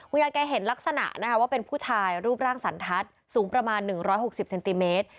คุณยังแกเห็นลักษณะนะคะว่าเป็นผู้ชายรูปร่างสันทัศน์สูงประมาณหนึ่งร้อยหกสิบเซนติเมตร